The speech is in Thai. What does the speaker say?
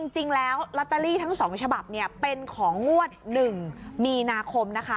จริงแล้วลอตเตอรี่ทั้ง๒ฉบับเป็นของงวด๑มีนาคมนะคะ